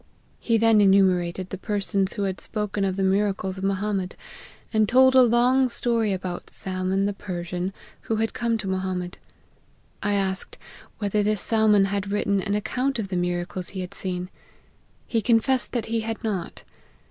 He then enumerated the persons who had spoken of the miracles of Mohammed, and told a long story about Salmon, the Persian, who had come to Mohammed 1 asked, whether this Salmon had written an ac count of the miracles he had seen ?' He confessed that he had not.